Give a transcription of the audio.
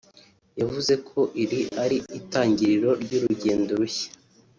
yavuze ko iri ari itangiriro ry’urugendo rushya